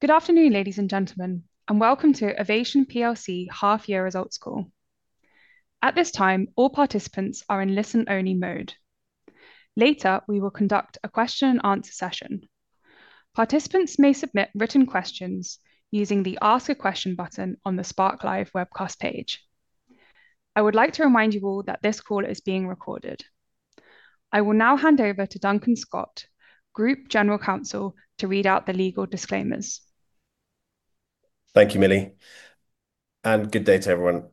Good afternoon, ladies and gentlemen, and welcome to Avation PLC half year results call. At this time, all participants are in listen-only mode. Later, we will conduct a question and answer session. Participants may submit written questions using the Ask a Question button on the SparkLive Webcast page. I would like to remind you all that this call is being recorded. I will now hand over to Duncan Scott, Group General Counsel, to read out the legal disclaimers. Thank you, Millie. Good day to everyone.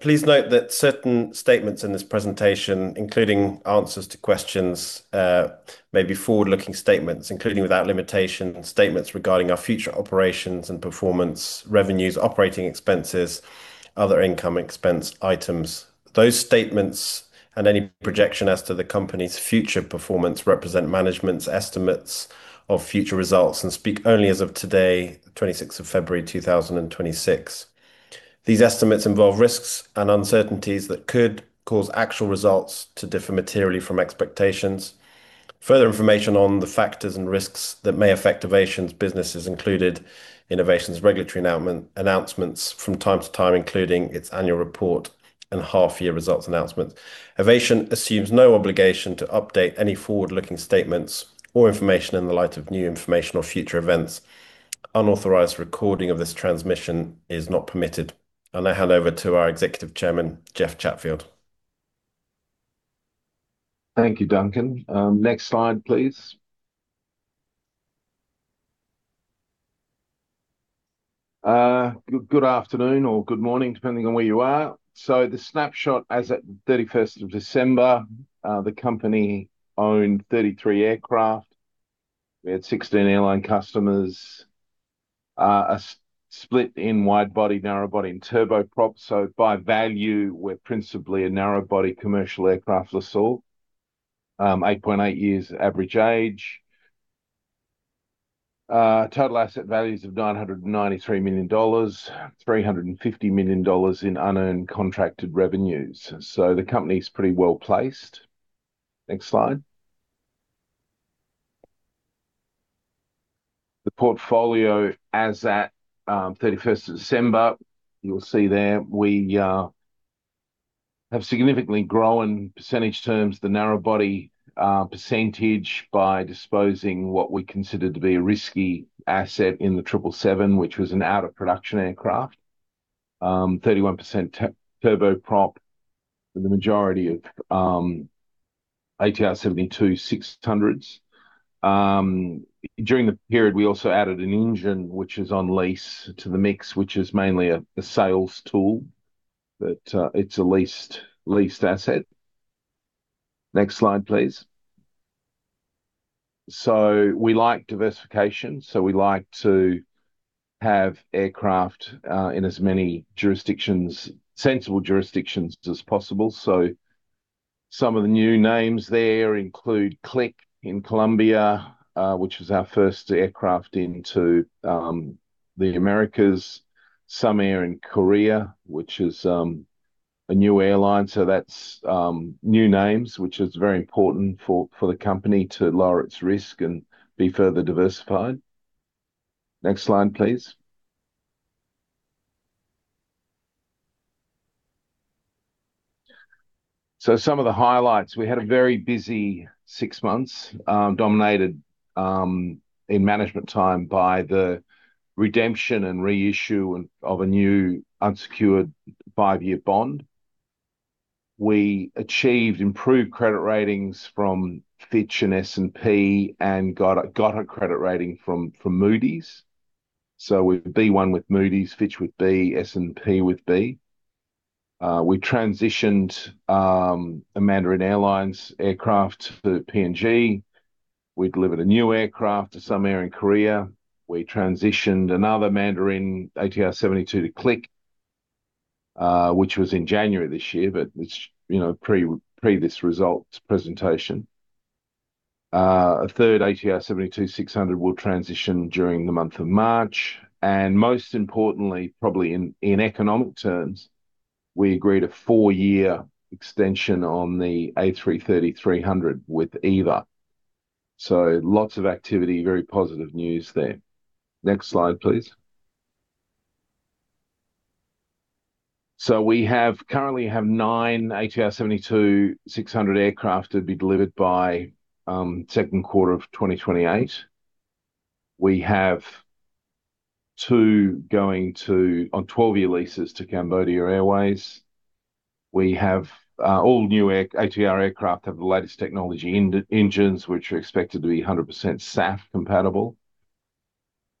Please note that certain statements in this presentation, including answers to questions, may be forward-looking statements, including without limitation, statements regarding our future operations and performance, revenues, operating expenses, other income expense items. Those statements and any projection as to the company's future performance represent management's estimates of future results and speak only as of today, 26th of February, 2026. These estimates involve risks and uncertainties that could cause actual results to differ materially from expectations. Further information on the factors and risks that may affect Avation's businesses included in Avation's regulatory announcements from time to time, including its annual report and half year results announcement. Avation assumes no obligation to update any forward-looking statements or information in the light of new information or future events. Unauthorized recording of this transmission is not permitted. I'll now hand over to our Executive Chairman, Jeff Chatfield. Thank you, Duncan. Next slide, please. Good, good afternoon or good morning, depending on where you are. The snapshot as at 31st of December, the company owned 33 aircraft. We had 16 airline customers, a split in wide-body, narrow-body, and turboprop. By value, we're principally a narrow-body commercial aircraft leasehold. 8.8 years average age, total asset values of $993 million, $350 million in unearned contracted revenues, so the company is pretty well placed. Next slide. The portfolio as at 31st of December, you'll see there we have significantly grown percentage terms, the narrow-body percentage, by disposing what we consider to be a risky asset in the Triple Seven, which was an out-of-production aircraft. 31% turboprop, with the majority of ATR 72-600s. During the period, we also added an engine, which is on lease, to the mix, which is mainly a sales tool, but it's a leased asset. Next slide, please. We like diversification, we like to have aircraft in as many jurisdictions, sensible jurisdictions as possible. Some of the new names there include Clic Air in Colombia, which is our first aircraft into the Americas; Sun Air in Korea, which is a new airline. That's new names, which is very important for the company to lower its risk and be further diversified. Next slide, please. Some of the highlights. We had a very busy six months, dominated in management time by the redemption and reissue and of a new unsecured five-year bond. We achieved improved credit ratings from Fitch and S&P, got a credit rating from Moody’s: B1 with Moody’s, B with Fitch, and B with S&P. We transitioned a Mandarin Airlines aircraft to PNG. We delivered a new aircraft to Sun Air in Korea. We transitioned another Mandarin ATR 72 to Clic Air, which was in January this year, but it's, you know, previous results presentation. A third ATR 72-600 will transition during the month of March, and most importantly, probably in economic terms, we agreed a four-year extension on the A330-300 with EVA. Lots of activity, very positive news there. Next slide, please. Currently have 9 ATR 72-600 aircraft to be delivered by second quarter of 2028. We have 2 on 12-year leases to Cambodia Airways. We have all new ATR aircraft have the latest technology in engines, which are expected to be 100% SAF compatible.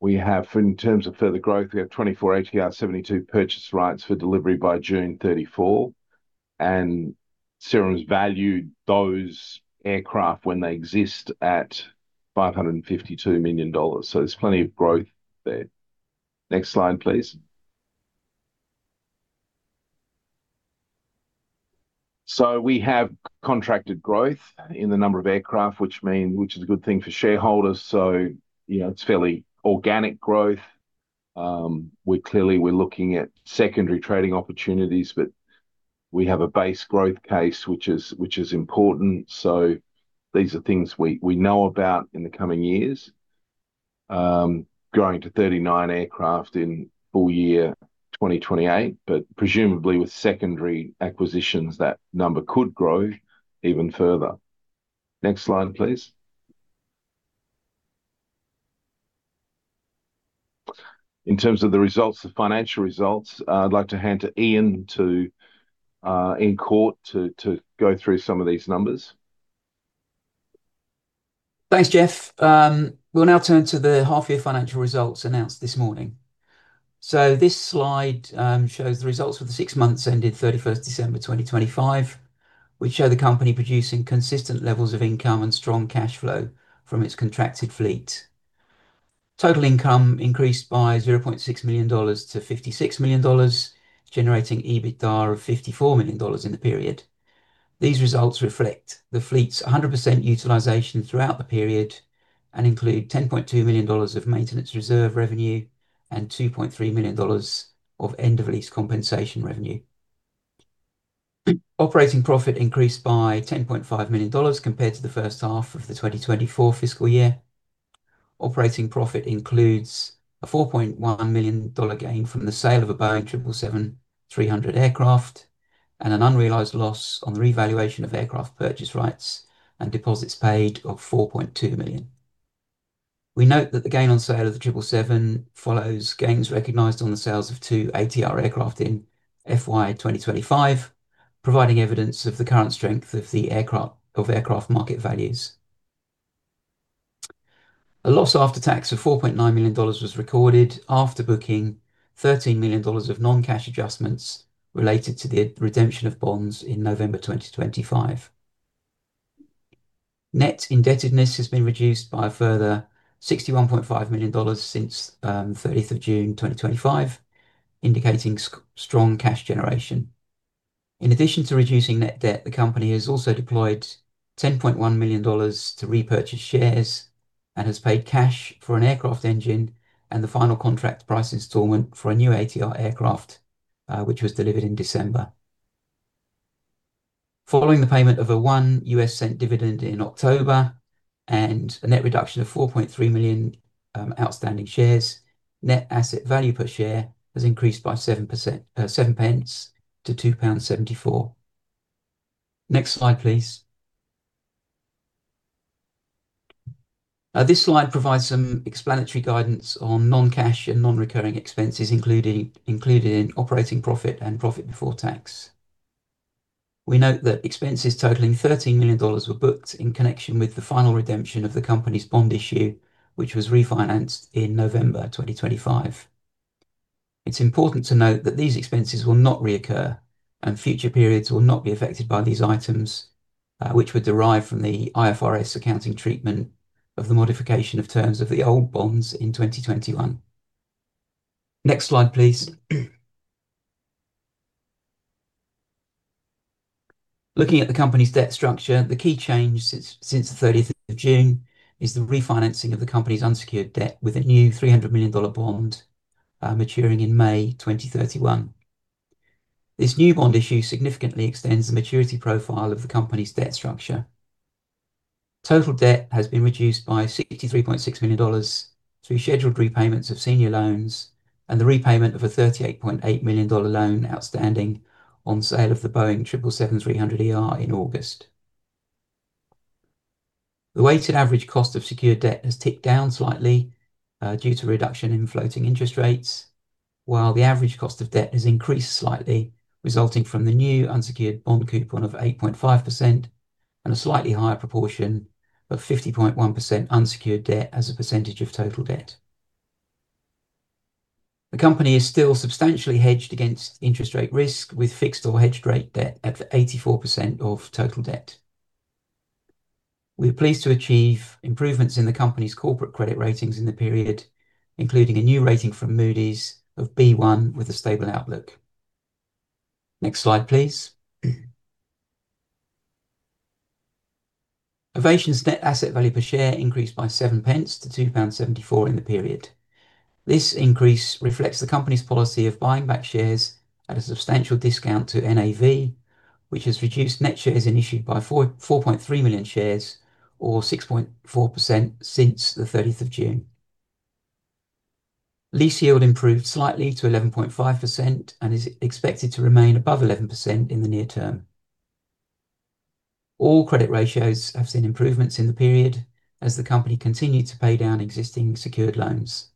We have, in terms of further growth, we have 24 ATR 72 purchase rights for delivery by June 2034. Cirium valued those aircraft when they exist at $552 million. There's plenty of growth there. Next slide, please. We have contracted growth in the number of aircraft, which is a good thing for shareholders, you know, it's fairly organic growth. We're clearly looking at secondary trading opportunities, but we have a base growth case, which is important. These are things we know about in the coming years. Growing to 39 aircraft in full year 2028, presumably with secondary acquisitions, that number could grow even further. Next slide, please. In terms of the results, the financial results, I’d like to hand over to Iain Cawte, to go through some of these numbers. Thanks, Jeff. We'll now turn to the half-year financial results announced this morning. This slide shows the results for the six months ending December 31, 2025, which show the company producing consistent levels of income and strong cash flow from its contracted fleet. Total income increased by $0.6 million to $56 million, generating EBITDA of $54 million in the period. These results reflect the fleet's 100% utilization throughout the period, and include $10.2 million of maintenance reserve revenue and $2.3 million of end of lease compensation revenue. Operating profit increased by $10.5 million compared to the first half of the 2024 fiscal year. Operating profit includes a $4.1 million gain from the sale of a Boeing 777-300 aircraft, and an unrealized loss on the revaluation of aircraft purchase rights and deposits paid of $4.2 million. We note that the gain on sale of the 777 follows gains recognized on the sales of 2 ATR aircraft in FY 2025, providing evidence of the current strength of aircraft market values. A loss after tax of $4.9 million was recorded after booking $13 million of non-cash adjustments related to the redemption of bonds in November 2025. Net indebtedness has been reduced by a further $61.5 million since 30th of June 2025, indicating strong cash generation. In addition to reducing net debt, the company has also deployed $10.1 million to repurchase shares, and has paid cash for an aircraft engine and the final contract price installment for a new ATR aircraft, which was delivered in December. Following the payment of a 1 US cent dividend in October, and a net reduction of 4.3 million outstanding shares, net reduction of 4.3 million outstanding shares, net asset value per share has increased by 7%, from £2.67 to £2.74 Next slide, please. This slide provides some explanatory guidance on non-cash and non-recurring expenses, including operating profit and profit before tax. We note that expenses totaling $13 million were booked in connection with the final redemption of the company's bond issue, which was refinanced in November 2025. It's important to note that these expenses will not reoccur, and future periods will not be affected by these items, which would derive from the IFRS accounting treatment of the modification of terms of the old bonds in 2021. Next slide, please. Looking at the company's debt structure, the key change since the 30th of June is the refinancing of the company's unsecured debt with a new $300 million bond, maturing in May 2031. This new bond issue significantly extends the maturity profile of the company's debt structure. Total debt has been reduced by $63.6 million through scheduled repayments of senior loans and the repayment of a $38.8 million loan outstanding on sale of the Boeing 777-300ER in August. The weighted average cost of secured debt has ticked down slightly due to a reduction in floating interest rates, while the average cost of debt has increased slightly, resulting from the new unsecured bond coupon of 8.5% and a slightly higher proportion of 50.1% unsecured debt as a percentage of total debt. The company is still substantially hedged against interest rate risk with fixed or hedged rate debt at 84% of total debt. We are pleased to achieve improvements in the company's corporate credit ratings in the period, including a new rating from Moody's of B1 with a stable outlook. Next slide, please. Avation's net asset value per share increased by 7 pence to 2.74 pound in the period. This increase reflects the company's policy of buying back shares at a substantial discount to NAV, which has reduced net shares issued by 4.3 million shares or 6.4% since the 30th of June. Lease yield improved slightly to 11.5% and is expected to remain above 11% in the near term. All credit ratios have seen improvements in the period as the company continued to pay down existing secured loans.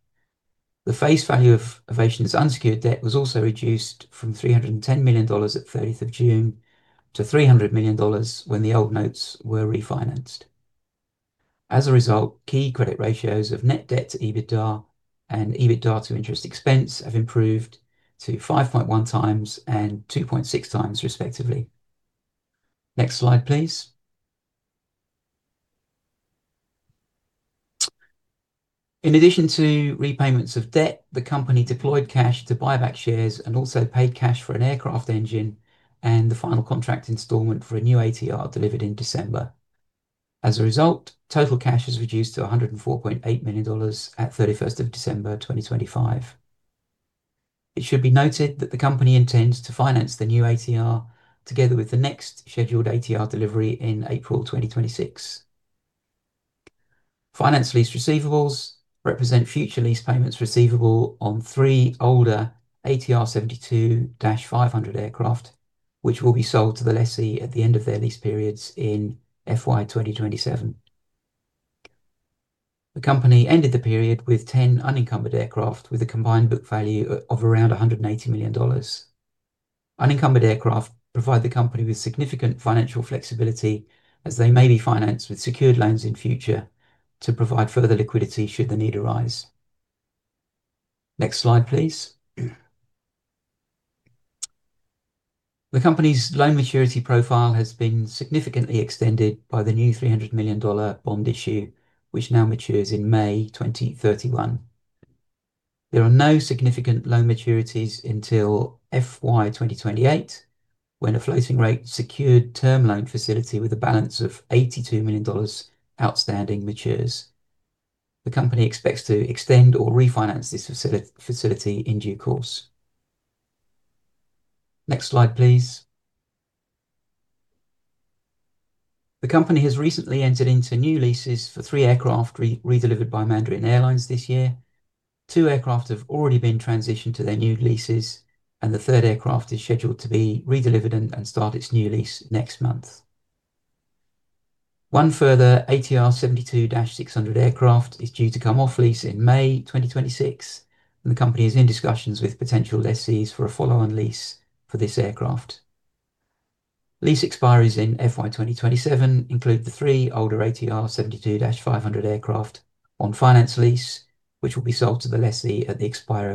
The face value of Avation's unsecured debt was also reduced from $310 million at 30th of June to $300 million when the old notes were refinanced. As a result, key credit ratios of net debt to EBITDA and EBITDA to interest expense have improved to 5.1 times and 2.6 times, respectively. Next slide, please. In addition to repayments of debt, the company deployed cash to buy back shares and also paid cash for an aircraft engine and the final contract installment for a new ATR delivered in December. As a result, total cash reduced to $104.8 million as of 31 December 2025. It should be noted that the company intends to finance the new ATR, together with the next scheduled ATR delivery in April 2026. Finance lease receivables represent future lease payments receivable on three older ATR 72-500 aircraft, which will be sold to the lessee at the end of their lease periods in FY 2027. The company ended the period with 10 unencumbered aircraft, with a combined book value of around $180 million. Unencumbered aircraft provide the company with significant financial flexibility, as they may be financed with secured loans in future to provide further liquidity should the need arise. Next slide, please. The company's loan maturity profile has been significantly extended by the new $300 million bond issue, which now matures in May 2031. There are no significant loan maturities until FY 2028, when a floating rate secured term loan facility with a balance of $82 million outstanding matures. The company expects to extend or refinance this facility in due course. Next slide, please. The company has recently entered into new leases for three aircraft redelivered by Mandarin Airlines this year. Two aircraft have already been transitioned to their new leases, and the third aircraft is scheduled to be redelivered and start its new lease next month. One further ATR 72-600 aircraft is due to come off lease in May 2026, and the company is in discussions with potential lessees for a follow-on lease for this aircraft. Lease expiries in FY 2027 include the 3 older ATR 72-500 aircraft on finance lease, which will be sold to the lessee at the expiry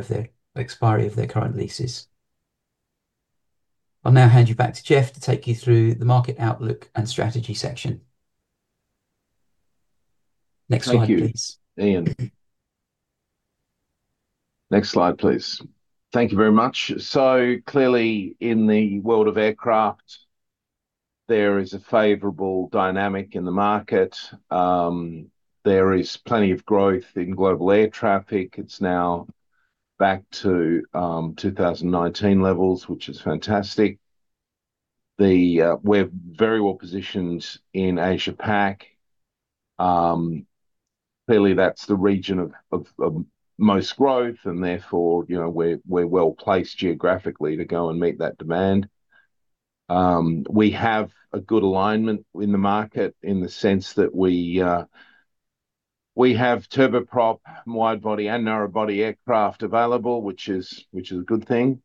of their current leases. I'll now hand you back to Jeff to take you through the market outlook and strategy section. Next slide, please. Thank you, Iain. Next slide, please. Thank you very much. Clearly, in the world of aircraft, there is a favorable market dynamic. Global air traffic has now returned to 2019 levels, which is fantastic. We're very well positioned in Asia Pac. Clearly, that's the region of most growth, and therefore, you know, we're well-placed geographically to go and meet that demand. We have a good alignment in the market in the sense that we have turboprop, wide-body, and narrow-body aircraft available, which is a good thing.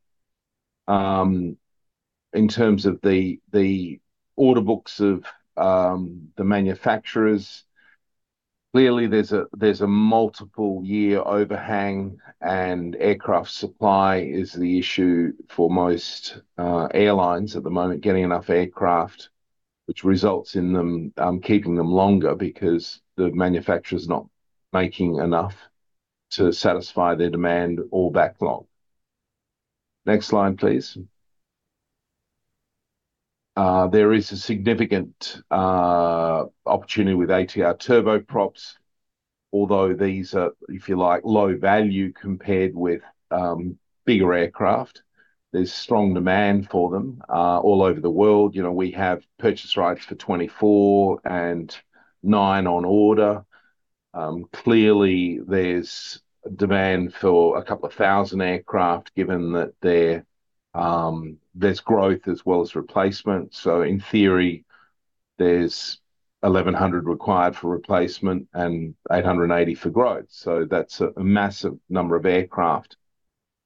In terms of the order books of the manufacturers, clearly there's a multiple-year overhang. Aircraft supply is the issue for most airlines at the moment, getting enough aircraft, which results in them keeping them longer because the manufacturer's not making enough to satisfy their demand or backlog. Next slide, please. There is a significant opportunity with ATR turboprops, although these are, if you like, low value compared with bigger aircraft. There's strong demand for them all over the world. We have purchase rights for 24 aircraft, and 9 aircraft currently on order Clearly, there's demand for a couple of 1,000 aircraft, given that there's growth as well as replacement. In theory, there's 1,100 required for replacement and 880 for growth, that's a massive number of aircraft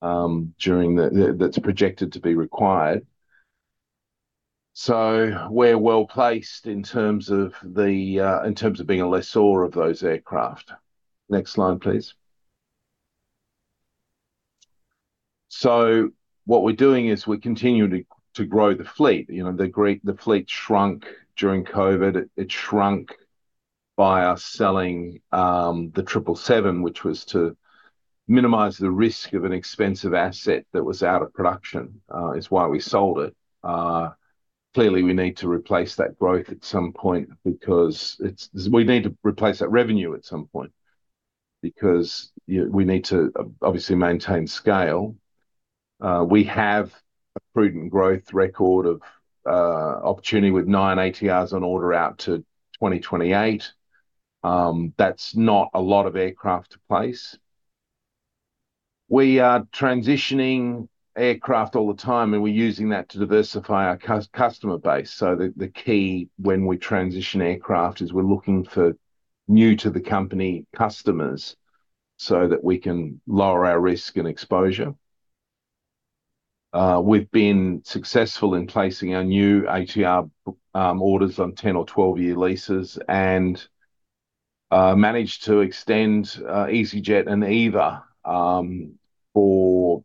during the... That's projected to be required. we’re well-placed as a lessor of those aircraft. Next slide, please. What we're doing is we're continuing to grow the fleet. You know, the fleet shrunk during COVID. It shrunk by us selling the Triple Seven, which was to minimize the risk of an expensive asset that was out of production, is why we sold it. Clearly, we need to replace that growth at some point. We need to replace that revenue at some point, because, you know, we need to obviously maintain scale. We have a prudent growth record of opportunity with nine ATRs on order out to 2028. That's not a lot of aircraft to place. We are transitioning aircraft all the time. We're using that to diversify our customer base, so the key when we transition aircraft is we're looking for new to the company customers so that we can lower our risk and exposure. and managed to extend leases with easyJet and EVA for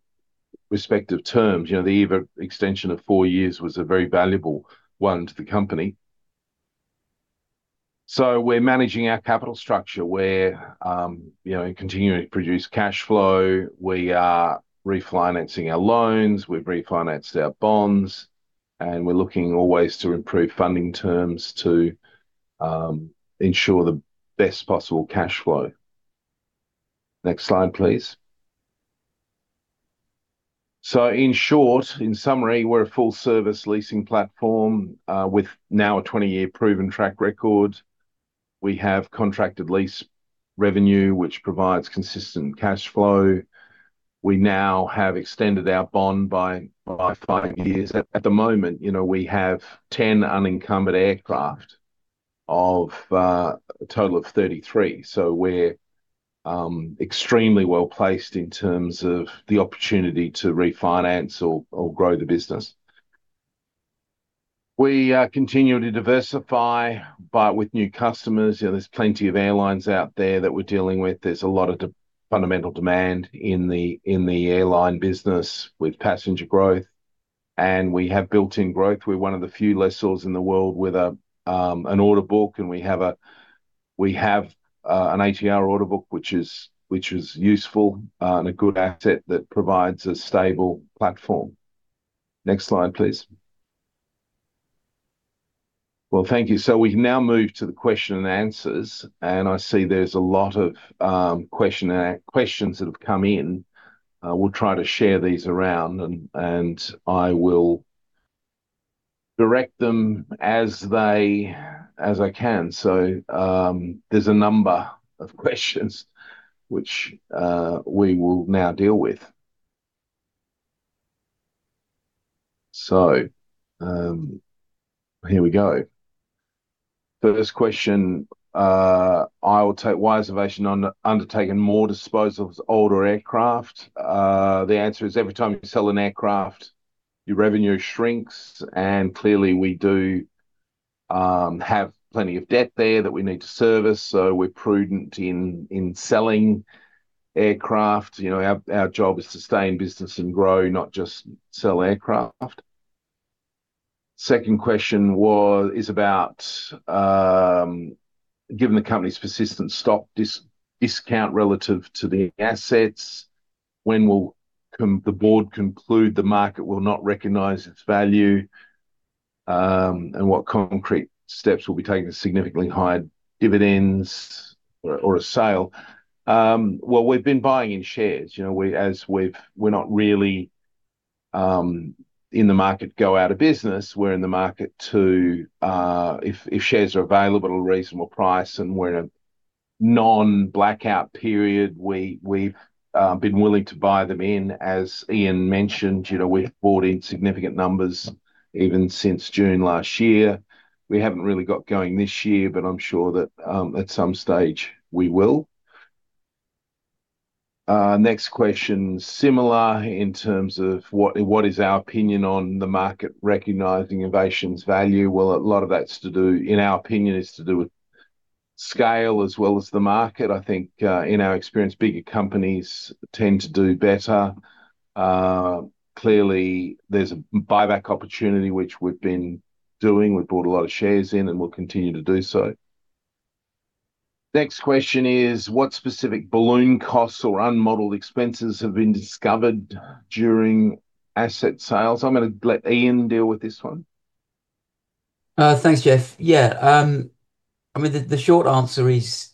respective terms. You know, the EVA extension of four years was a very valuable one to the company. We're managing our capital structure. We're, you know, continuing to produce cashflow. We are refinancing our loans, we've refinanced our bonds, and we're looking always to improve funding terms to ensure the best possible cashflow. Next slide, please. In short, in summary, we're a full service leasing platform with now a 20-year proven track record. We have contracted lease revenue, which provides consistent cash flow. We now have extended our bond by 5 years. At the moment, we have 10 unencumbered aircraft out of a total of 33.. We're extremely well-placed in terms of the opportunity to refinance or grow the business. We continue to diversify, but with new customers. You know, there's plenty of airlines out there that we're dealing with. There's a lot of fundamental demand in the airline business with passenger growth, and we have built-in growth. We're one of the few lessors in the world with an order book, and we have an ATR order book, which is useful and a good asset that provides a stable platform. Next slide, please. Well, thank you. We can now move to the question and answers, and I see there's a lot of questions that have come in. We'll try to share these around, and I will direct them as I can. There's a number of questions which we will now deal with. Here we go. First question, I will take, why has Avation undertaken more disposal of older aircraft? The answer is, every time you sell an aircraft, your revenue shrinks, and clearly we do have plenty of debt there that we need to service, so we're prudent in selling aircraft. You know, our job is to stay in business and grow, not just sell aircraft. Second question is about, given the company's persistent stock discount relative to the assets, when will the board conclude the market will not recognize its value, and what concrete steps will be taken to significantly higher dividends or a sale? Well, we've been buying in shares. You know, we're not really in the market, go out of business, we're in the market to, if shares are available at a reasonable price, and we're in a non-blackout period, we've been willing to buy them in. As Ian mentioned, you know, we've bought in significant numbers even since June last year. We haven't really got going this year, I'm sure that at some stage, we will. Next question, similar in terms of what is our opinion on the market recognizing Avation's value? Well, a lot of that, in our opinion, has to do with scale as well as the market. I think, in our experience, bigger companies tend to do better. Clearly, there's a buyback opportunity, which we've been doing. We've bought a lot of shares in, and we'll continue to do so. Next question is, what specific balloon costs or unmodeled expenses have been discovered during asset sales? I'm gonna let Iain deal with this one. Thanks, Jeff. I mean, the short answer is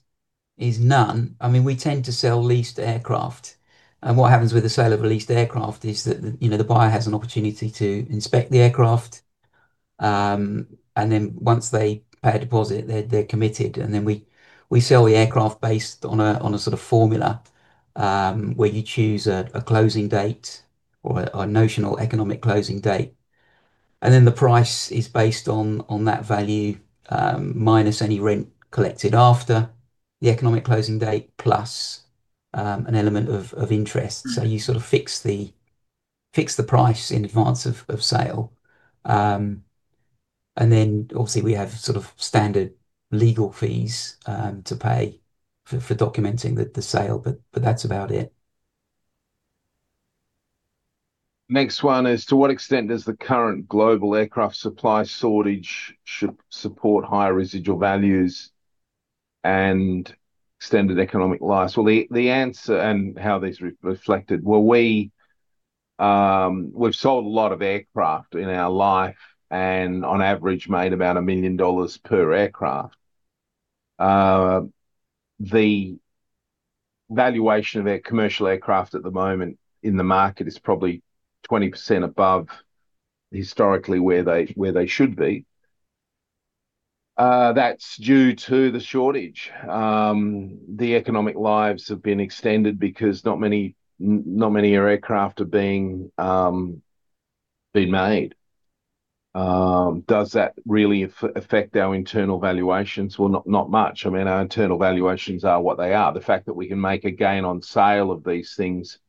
none. We tend to sell leased aircraft, and what happens with the sale of a leased aircraft is that the, you know, the buyer has an opportunity to inspect the aircraft, and then once they pay a deposit, they're committed, and then we sell the aircraft based on a, on a sort of formula, where you choose a closing date or a notional economic closing date, and then the price is based on that value, minus any rent collected after the economic closing date, plus an element of interest. You sort of fix the price in advance of sale. Obviously, we have sort of standard legal fees, to pay for documenting the sale, but that's about it. Next one is, to what extent does the current global aircraft supply shortage should support higher residual values and extended economic lives? The answer, and how this is reflected: we’ve sold many aircraft over time, and on average made about $1 million per aircraft. The valuation of a commercial aircraft at the moment in the market is probably 20% above historically where they should be. That's due to the shortage. The economic lives have been extended because not many aircraft are being made. Does that really affect our internal valuations? Not much. I mean, our internal valuations are what they are. The fact that we can make a gain on sale of these things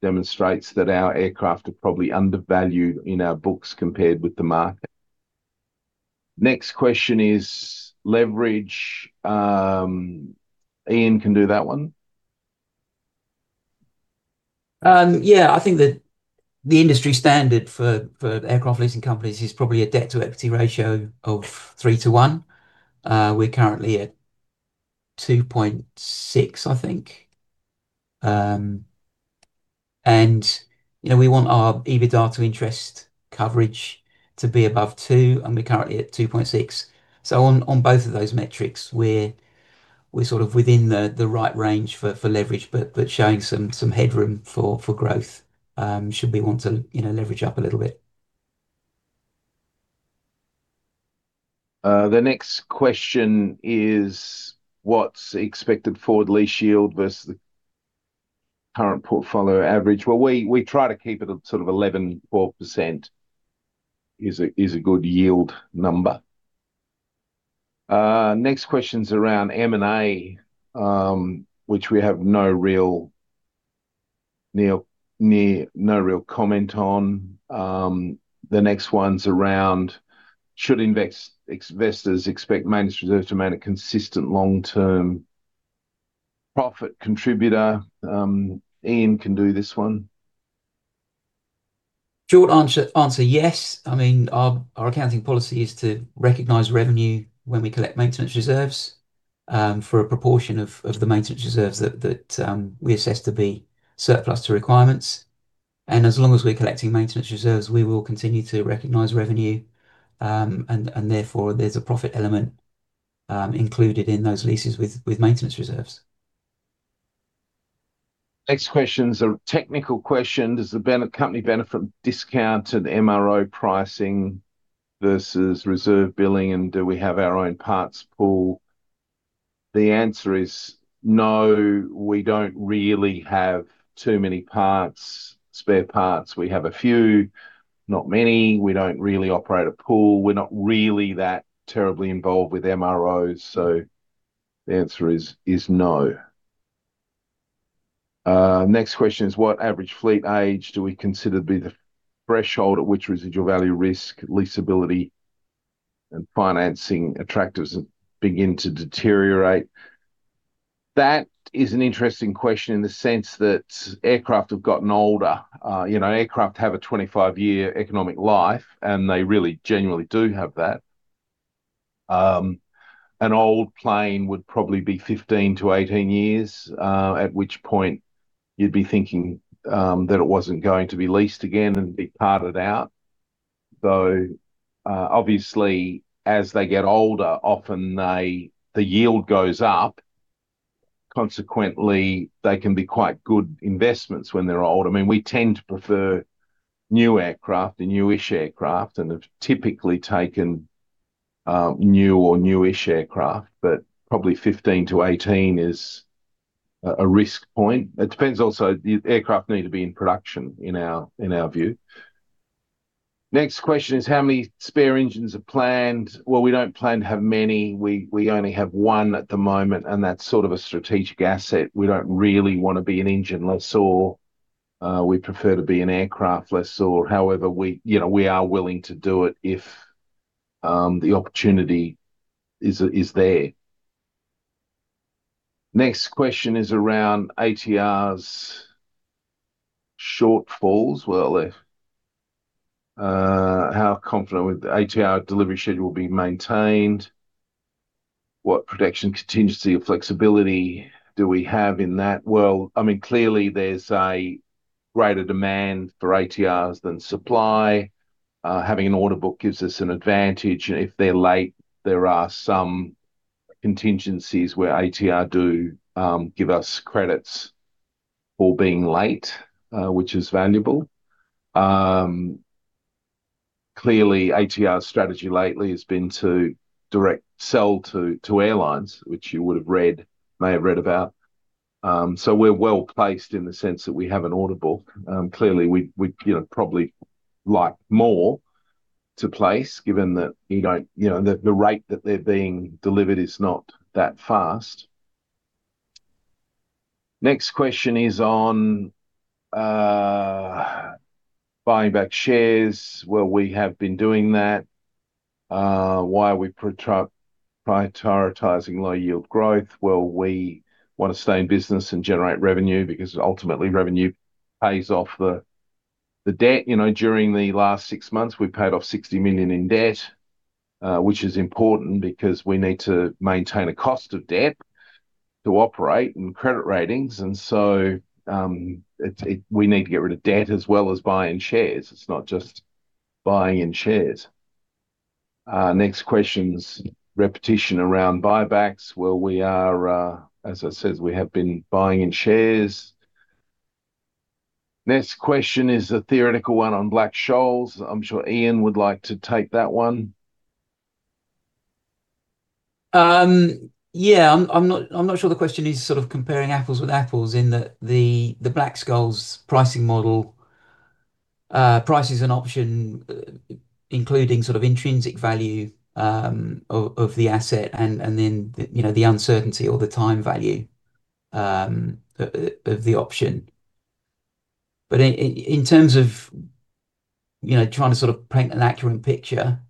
demonstrates that our aircraft are probably undervalued in our books compared with the market. Next question is leverage. Ian can do that one. Yeah, I think that the industry standard for aircraft leasing companies is probably a debt to equity ratio of 3 to 1. We're currently at 2.6, I think. You know, we want our EBITDA-to-interest coverage to be above 2x, and we're currently at 2.6. On both of those metrics, we're sort of within the right range for leverage, but showing some headroom for growth, should we want to, you know, leverage up a little bit. The next question is, what's the expected forward lease yield versus the current portfolio average? We try to keep it at sort of 11%, 12% is a good yield number. Next question's around M&A, which we have no real comment on. The next one's around, should investors expect maintenance reserve to maintain a consistent long-term profit contributor? Ian can do this one. Short answer, yes. I mean, our accounting policy is to recognize revenue when we collect maintenance reserves for a proportion of maintenance reserves that we assess as surplus to requirements. As long as we're collecting maintenance reserves, we will continue to recognize revenue and therefore, there's a profit element included in those leases with maintenance reserves. Next question's a technical question: Does the company benefit discounted MRO pricing versus reserve billing, and do we have our own parts pool? The answer is no, we don't really have too many parts, spare parts. We have a few, not many. We don't really operate a pool. We're not really that terribly involved with MROs, so the answer is no. Next question is, what average fleet age do we consider to be the threshold at which residual value risk, leasability, and financing attractiveness begin to deteriorate? That is an interesting question in the sense that aircraft have gotten older. You know, aircraft have a 25-year economic life, and they really genuinely do have that. An old plane would probably be 15 to 18 years, at which point you'd be thinking, that it wasn't going to be leased again and be parted out. Though, obviously, as they get older, often the yield goes up. Consequently, they can be quite good investments when they're old. I mean, we tend to prefer new aircraft and new-ish aircraft, and have typically taken, new or new-ish aircraft, but probably 15 to 18 is a risk point. It depends also. The aircraft need to be in production, in our view. Next question is, how many spare engines are planned? Well, we don't plan to have many. We only have one at the moment, and that's sort of a strategic asset. We don't really wanna be an engine lessor. We prefer to be an aircraft lessor. We, you know, we are willing to do it if the opportunity is there. Next question is around ATRs shortfalls. If, how confident with the ATR delivery schedule will be maintained? What protection, contingency or flexibility do we have in that? I mean, clearly there's a greater demand for ATRs than supply. Having an order book gives us an advantage. If they're late, there are some contingencies where ATR do give us credits for being late, which is valuable. Clearly, ATR's strategy lately has been to direct sell to airlines, which you would have read, may have read about. We're well-placed in the sense that we have an order book. Clearly, we'd, you know, probably like more to place, given that, you know, you know, the rate that they're being delivered is not that fast. Next question is on buying back shares. Well, we have been doing that. Why are we prioritising low yield growth? Well, we wanna stay in business and generate revenue, because ultimately, revenue pays off the debt. You know, during the last 6 months, we paid off $60 million in debt, which is important because we need to maintain a cost of debt to operate and credit ratings, we need to get rid of debt as well as buying shares. It's not just buying in shares. Next question's repetition around buybacks. Well, we are, as I said, we have been buying in shares. Next question is a theoretical one on Black-Scholes. I'm sure Ian would like to take that one. I'm not sure the question is sort of comparing apples with apples in that the Black-Scholes pricing model prices an option, including sort of intrinsic value of the asset, and then the, you know, the uncertainty or the time value of the option. In terms of, you know, trying to sort of paint an accurate picture,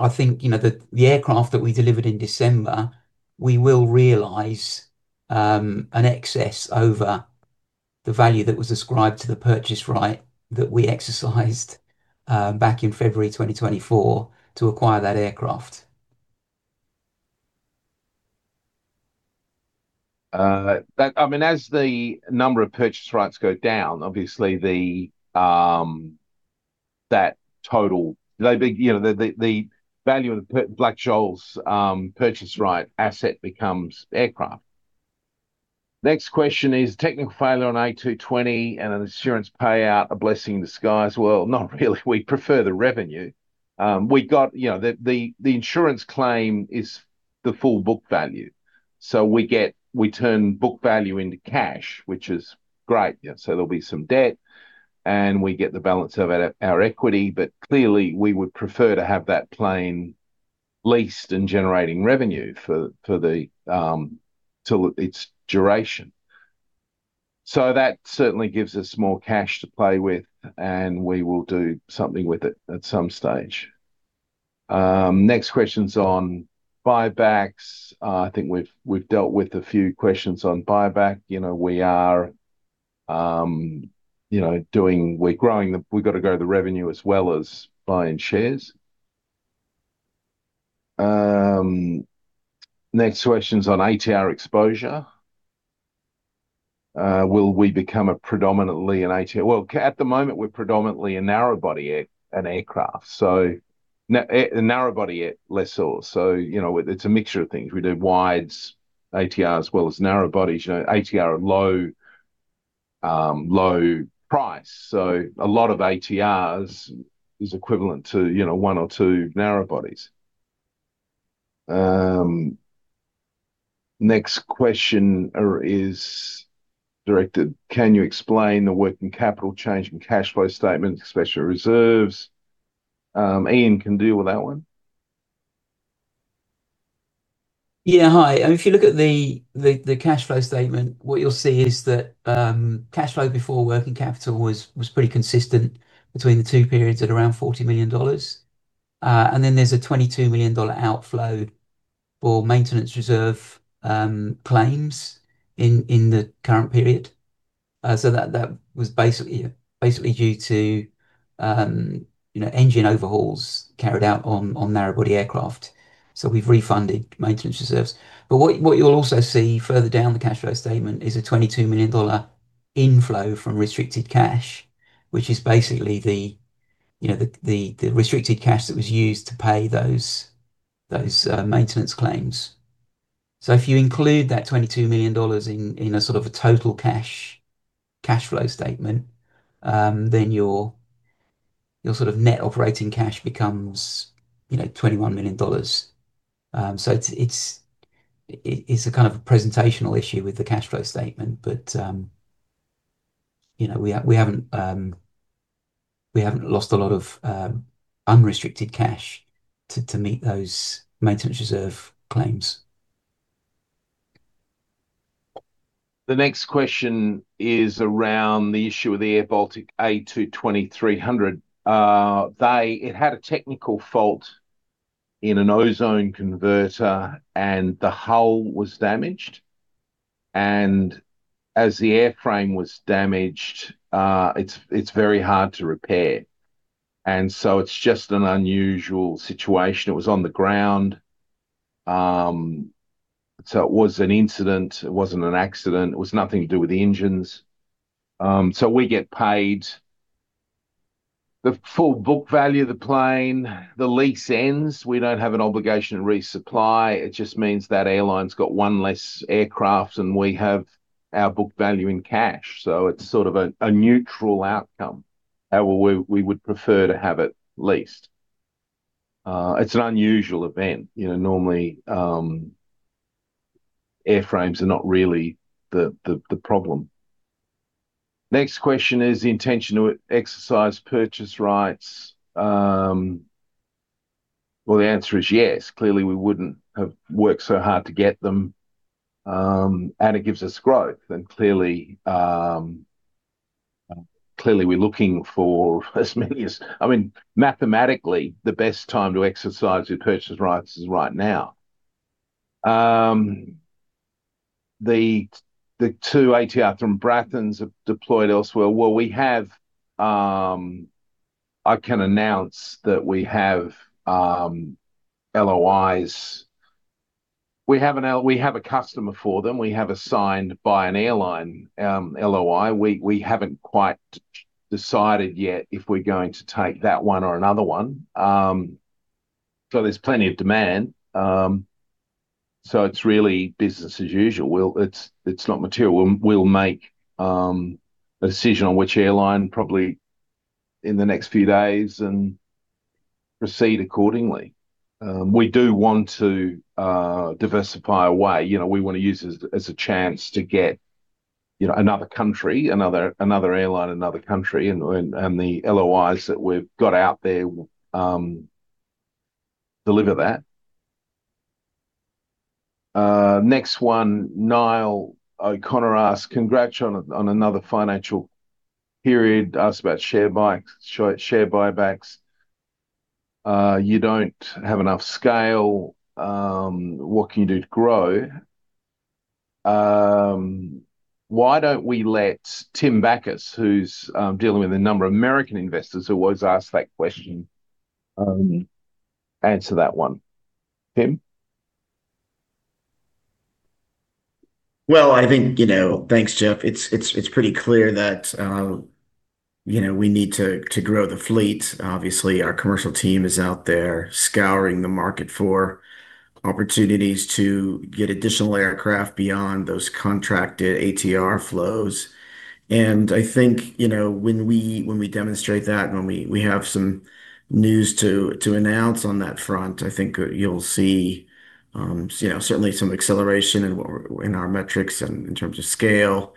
I think, you know, the aircraft that we delivered in December, we will realise an excess over the value that was ascribed to the purchase right, that we exercised back in February 2024 to acquire that aircraft. that, I mean, as the number of purchase rights go down, obviously the, you know, the value of the Black-Scholes purchase right asset becomes aircraft. Next question is, technical failure on A220 and an insurance payout, a blessing in disguise? Well, not really. We prefer the revenue. We got, you know, the insurance claim is the full book value. We turn book value into cash, which is great. There'll be some debt, and we get the balance of our equity, clearly we would prefer to have that plane leased and generating revenue for the till its duration. That certainly gives us more cash to play with, and we will do something with it at some stage. Next question's on buybacks. I think we've dealt with a few questions on buyback. You know, we are, you know, we've got to grow the revenue as well as buying shares. Next question's on ATR exposure. Will we become a predominantly an ATR? Well, at the moment, we're predominantly a narrow body aircraft, so a narrow body lessor. You know, it's a mixture of things. We do wides, ATR as well as narrow bodies. You know, ATR are low, low price, a lot of ATRs is equivalent to, you know, 1 or 2 narrow bodies. Next question is directed: Can you explain the working capital change in cash flow statement, special reserves? Iain can deal with that one. Hi. If you look at the cash flow statement, what you'll see is that cash flow before working capital was pretty consistent between the two periods at around $40 million. Then there's a $22 million outflow for maintenance reserve claims in the current period. That was basically due to, you know, engine overhauls carried out on narrow body aircraft. We've refunded maintenance reserves. What you'll also see further down the cash flow statement is a $22 million inflow from restricted cash, which is basically the, you know, the restricted cash that was used to pay those maintenance claims. If you include that $22 million in a sort of a total cash flow statement, then your sort of net operating cash becomes, you know, $21 million. It's a kind of a presentational issue with the cash flow statement, but, you know, we haven't lost a lot of unrestricted cash to meet those maintenance reserve claims. The next question is around the issue of the airBaltic A220-300. It had a technical fault in an ozone converter, and the hull was damaged. As the airframe was damaged, it's very hard to repair, it's just an unusual situation. It was on the ground. It was an incident. It wasn't an accident. It was nothing to do with the engines. We get paid the full book value of the plane. The lease ends. We don't have an obligation to resupply, it just means that airline's got one less aircraft, and we have our book value in cash. It's sort of a neutral outcome. However, we would prefer to have it leased. It's an unusual event. You know, normally, airframes are not really the problem. Next question is the intention to exercise purchase rights. The answer is yes. Clearly, we wouldn't have worked so hard to get them, it gives us growth, and clearly, we're looking for as many as... mathematically, the best time to exercise your purchase rights is right now. The 2 ATR from Braathens have deployed elsewhere. We have, I can announce that we have LOIs. We have a customer for them. We have a signed by an airline LOI. We haven't quite decided yet if we're going to take that one or another one. There's plenty of demand, it's really business as usual. It's not material. We'll make a decision on which airline probably in the next few days and proceed accordingly. We do want to diversify away. You know, we want to use this as a chance to get, you know, another country, another airline, another country, and the LOIs that we've got out there deliver that. Next one, Niall O'Connor asks, congrats on another financial period. Asks about share buybacks, share buybacks. You don't have enough scale, what can you do to grow? Why don't we let Tim Backus, who's dealing with a number of American investors who always ask that question, answer that one. Tim? Well, I think, you know. Thanks, Jeff. It's pretty clear that, you know, we need to grow the fleet. Obviously, our commercial team is out there scouring the market for opportunities to get additional aircraft beyond those contracted ATR flows. I think, you know, when we demonstrate that, when we have some news to announce on that front, I think you'll see, you know, certainly some acceleration in our metrics and in terms of scale.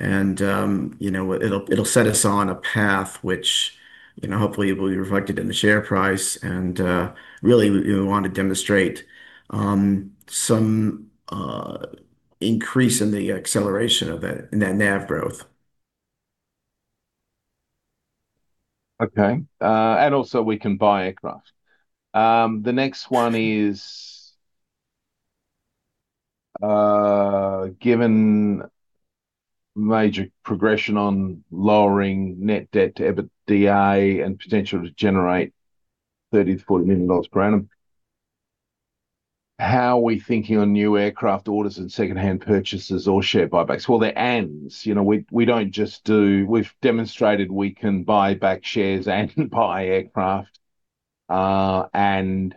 You know, it'll set us on a path which, you know, hopefully will be reflected in the share price, and really, we want to demonstrate some increase in the acceleration of that, in that NAV growth. Okay. Also we can buy aircraft. The next one is, given major progression on lowering net debt to EBITDA and potential to generate $30 million-$40 million per annum, how are we thinking on new aircraft orders and second-hand purchases or share buybacks? Well, they're ands, you know, we don't just do-- We've demonstrated we can buy back shares and buy aircraft, and,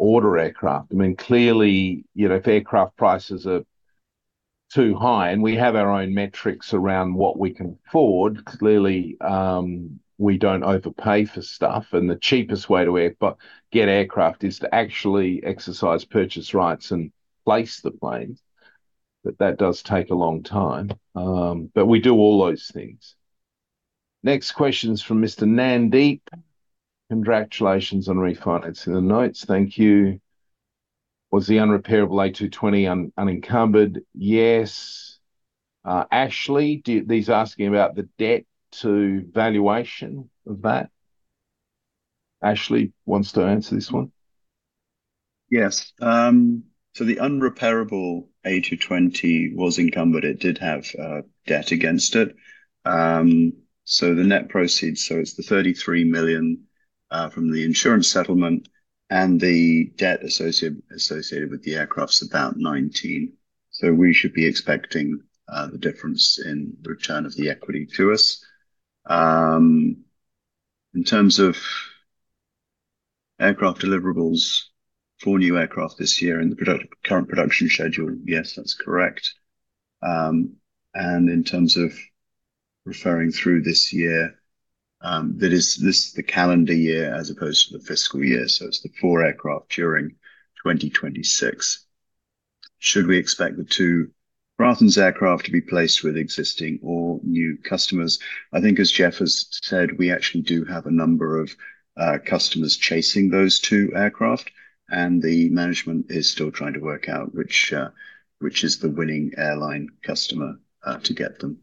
order aircraft. I mean, clearly, you know, if aircraft prices are too high, and we have our own metrics around what we can afford, clearly, we don't overpay for stuff, and the cheapest way to get aircraft is to actually exercise purchase rights and place the planes. That does take a long time. We do all those things. Next question is from Mr. Mandeep. Congratulations on refinancing the notes. Thank you. Was the unrepairable A220 unencumbered? Yes. Ashley, he's asking about the debt to valuation of that. Ashley wants to answer this one. Yes. The unrepairable A220 was encumbered. It did have debt against it. The net proceeds, it's the $33 million from the insurance settlement, and the debt associated with the aircraft is about $19 million. We should be expecting the difference in the return of the equity to us. In terms of aircraft deliverables for new aircraft this year in the current production schedule, yes, that's correct. In terms of referring through this year, that is the calendar year, as opposed to the fiscal year, it's the 4 aircraft during 2026. Should we expect the 2 Braathens aircraft to be placed with existing or new customers? I think, as Jeff has said, we actually do have a number of customers chasing those two aircraft. The management is still trying to work out which is the winning airline customer, to get them.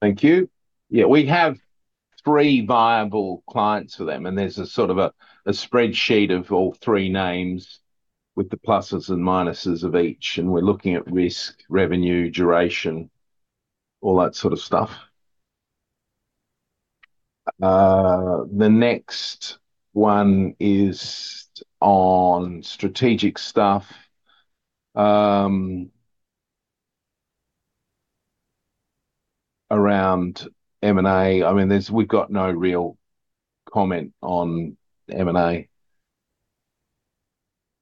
Thank you. Yeah, we have three viable clients for them, there's a sort of a spreadsheet of all three names with the pluses and minuses of each. We're looking at risk, revenue, duration, all that sort of stuff. The next one is on strategic stuff around M&A. I mean, we've got no real comment on M&A.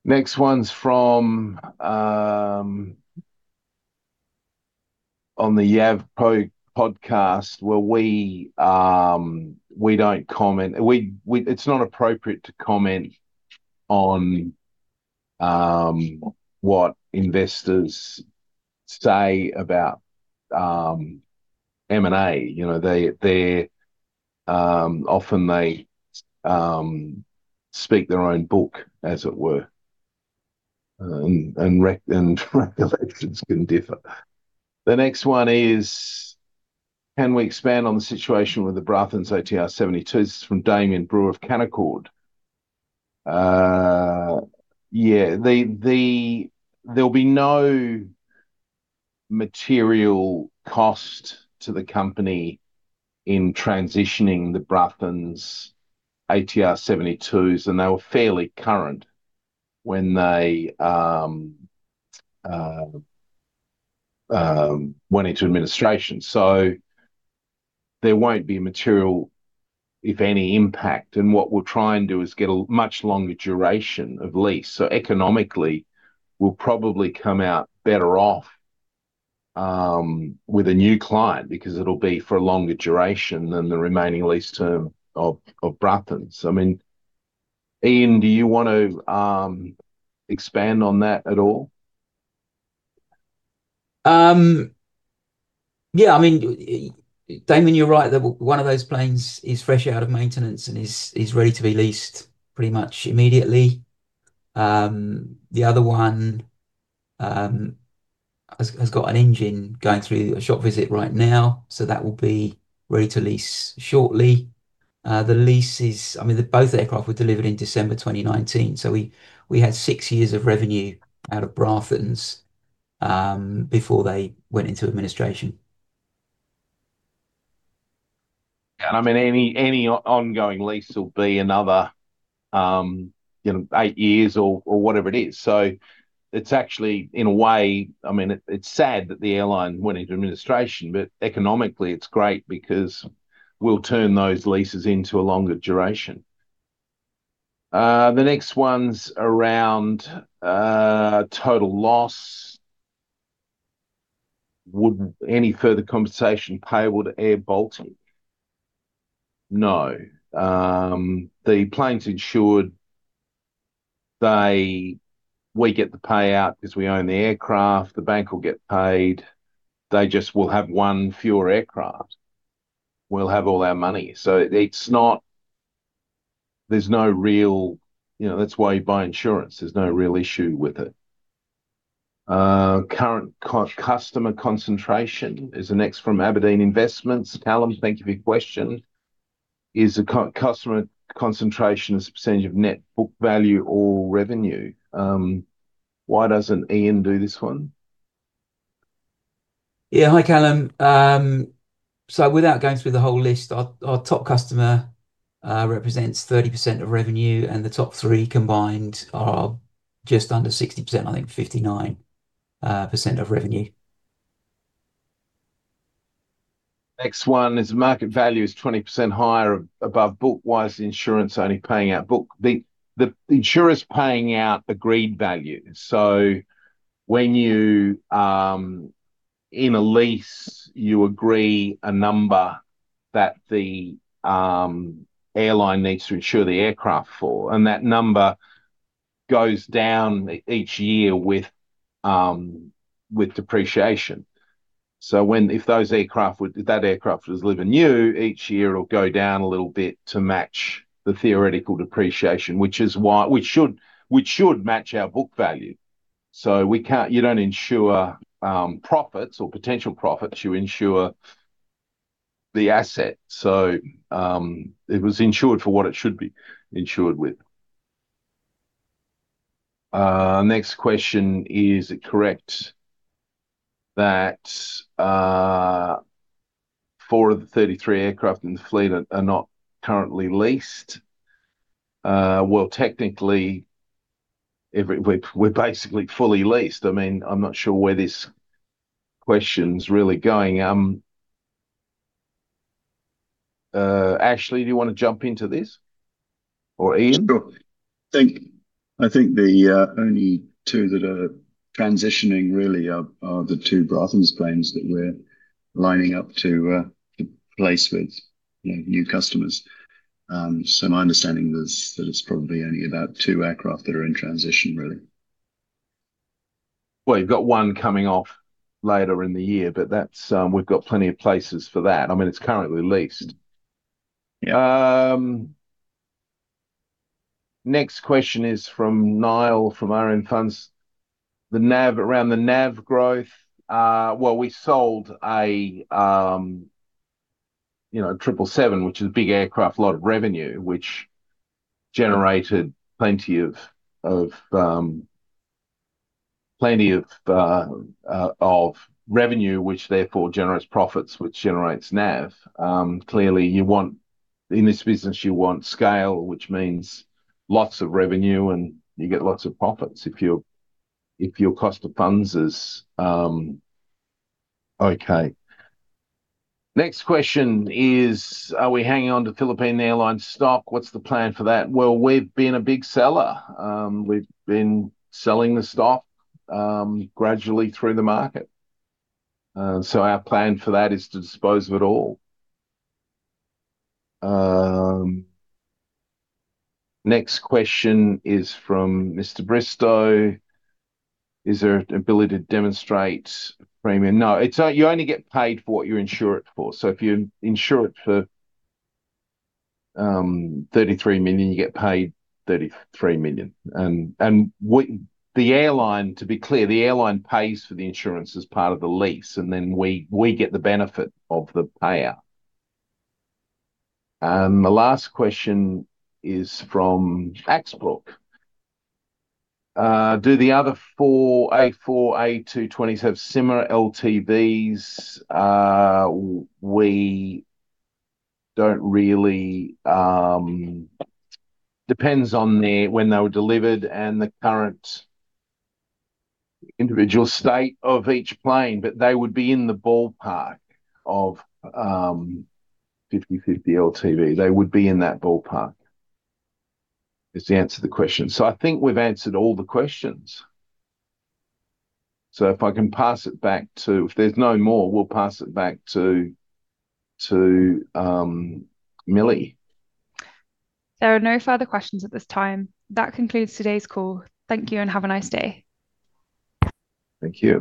Next one's from on the YAVP podcast, where we don't comment. We, it's not appropriate to comment on what investors say about M&A. You know, they often speak their own book, as it were. Regulations can differ. The next one is, Can we expand on the situation with the Braathens ATR 72s? This is from Damian Brewer of Canaccord. Yeah, there'll be no material cost to the company in transitioning the Braathens ATR 72s. They were fairly current when they went into administration. There won't be material, if any, impact. What we'll try and do is get a much longer duration of lease. Economically, we'll probably come out better off with a new client because it'll be for a longer duration than the remaining lease term of Braathens. I mean, Iain, do you want to expand on that at all? Yeah, I mean, Damian, you're right. That one of those planes is fresh out of maintenance and is ready to be leased pretty much immediately. The other one has got an engine going through a shop visit right now, so that will be ready to lease shortly. The leases, I mean, the both aircraft were delivered in December 2019, so we had six years of revenue out of Braathens before they went into administration. I mean, any ongoing lease will be another, you know, 8 years or whatever it is. It's actually, in a way, I mean, it's sad that the airline went into administration, but economically it's great because we'll turn those leases into a longer duration. The next one's around total loss. Would any further compensation payable to airBaltic? No. The plane's insured. We get the payout 'cause we own the aircraft. The bank will get paid, they just will have one fewer aircraft. We'll have all our money. There's no real. You know, that's why you buy insurance. There's no real issue with it. Current customer concentration is the next from Aberdeen. Callum, thank you for your question. Is the customer concentration as a percentage of net book value or revenue? Why doesn't Iain do this one? Yeah. Hi, Callum. Without going through the whole list, our top customer represents 30% of revenue. The top three combined are just under 60%, I think 59% of revenue. Next one is, 'Market value is 20% higher above book. Why is the insurance only paying out book?' The insurance paying out agreed value. When you in a lease, you agree a number that the airline needs to insure the aircraft for, and that number goes down each year with depreciation. If that aircraft was delivered new, each year it'll go down a little bit to match the theoretical depreciation, which should match our book value. You don't insure profits or potential profits, you insure the asset. It was insured for what it should be insured with. Next question: 'Is it correct that 4 of the 33 aircraft in the fleet are not currently leased?' Well, technically, we're basically fully leased. I mean, I'm not sure where this question's really going. Ashley, do you want to jump into this, or Ian? Sure. I think the only two that are transitioning really are the two Braathens planes that we're lining up to place with, you know, new customers. My understanding is that it's probably only about two aircraft that are in transition, really. Well, you've got one coming off later in the year, but that's, we've got plenty of places for that. I mean, it's currently leased. Yeah. Next question is from Niall, from RM Funds. The NAV, around the NAV growth. Well, we sold a, you know, Triple Seven, which is a big aircraft, a lot of revenue, which generated plenty of plenty of revenue, which therefore generates profits, which generates NAV. Clearly, you want, in this business, you want scale, which means lots of revenue, and you get lots of profits if your, if your cost of funds is okay. Next question is, 'Are we hanging on to Philippine Airlines stock? What's the plan for that?' Well, we've been a big seller. We've been selling the stock gradually through the market, so our plan for that is to dispose of it all. Next question is from Mr. 'Is there an ability to demonstrate premium?' No, you only get paid for what you insure it for. If you insure it for $33 million, you get paid $33 million. The airline, to be clear, the airline pays for the insurance as part of the lease, and then we get the benefit of the payout. The last question is from uncertain: 'Do the other 4 A220s have similar LTVs?' We don't really... depends on when they were delivered and the current individual state of each plane, but they would be in the ballpark of 50/50 LTV. They would be in that ballpark, is the answer to the question. I think we've answered all the questions. If I can pass it back to... If there's no more, we'll pass it back to Millie. There are no further questions at this time. That concludes today's call. Thank you, and have a nice day. Thank you.